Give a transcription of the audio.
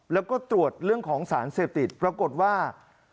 แล้วก็ตรวจเรื่องของสารเสพติดปรากฏว่า